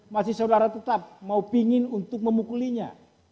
masih saudara tetap mau pingin untuk memukulinya